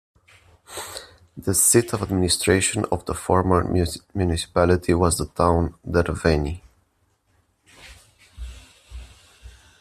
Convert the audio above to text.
The seat of administration of the former municipality was the town Derveni.